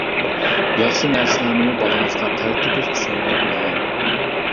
ياخشى نەرسىلەرنىمۇ بالىڭىزغا تەلتۆكۈس چۈشەندۈرۈپ مېڭىڭ.